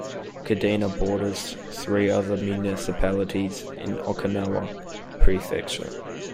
Kadena borders three other municipalities in Okinawa Prefecture.